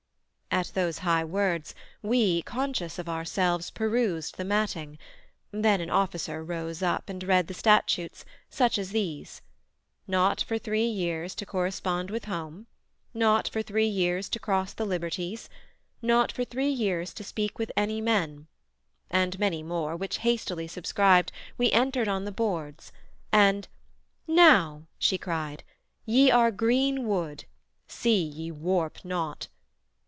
At those high words, we conscious of ourselves, Perused the matting: then an officer Rose up, and read the statutes, such as these: Not for three years to correspond with home; Not for three years to cross the liberties; Not for three years to speak with any men; And many more, which hastily subscribed, We entered on the boards: and 'Now,' she cried, 'Ye are green wood, see ye warp not.